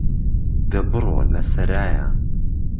ده بڕۆ له سهرایه